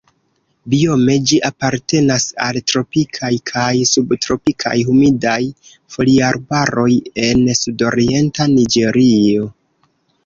Biome ĝi apartenas al tropikaj kaj subtropikaj humidaj foliarbaroj en sudorienta Niĝerio.